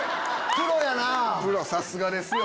プロさすがですよ。